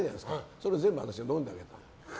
それを全部私が飲んであげた。